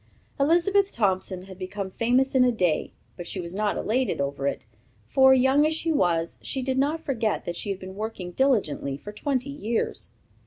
Elizabeth Thompson had become famous in a day, but she was not elated over it; for, young as she was, she did not forget that she had been working diligently for twenty years.